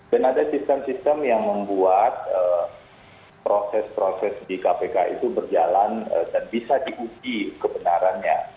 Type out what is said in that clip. dan ada sistem sistem yang membuat proses proses di kpk itu berjalan dan bisa diuji kebenarannya